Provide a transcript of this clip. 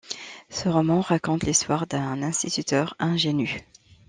Ce roman raconte l'histoire d'un instituteur ingénu.